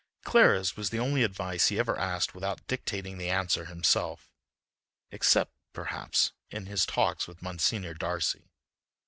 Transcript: Clara's was the only advice he ever asked without dictating the answer himself—except, perhaps, in his talks with Monsignor Darcy.